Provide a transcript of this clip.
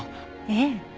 ええ。